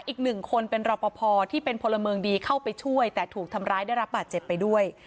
อีกหนึ่งคนเป็นรอปภที่เป็นพลเมืองดีเข้าไปช่วยแต่ถูกทำร้ายได้รับบาดเจ็บไปด้วย